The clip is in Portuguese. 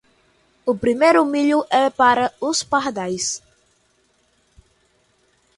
O primeiro milho é para os pardais.